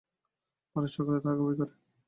পাড়ার সকলেই তাহাকে ভয় করে।